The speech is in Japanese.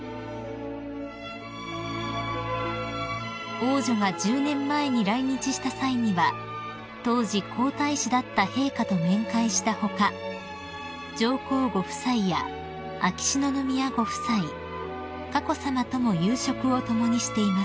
［王女が１０年前に来日した際には当時皇太子だった陛下と面会した他上皇ご夫妻や秋篠宮ご夫妻佳子さまとも夕食を共にしています］